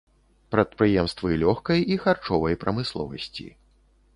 Прадпрыемствы лёгкай і харчовай прамысловасці.